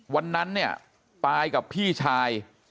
วันนั้นเนี่ยปายกับพี่ชาย